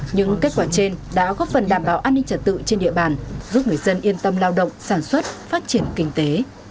những kết quả trên đã góp phần đảm bảo an ninh trật tự trên địa bàn giúp người dân yên tâm lao động sản xuất phát triển kinh tế